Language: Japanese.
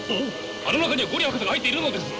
あの中には五里博士が入っているのですぞ！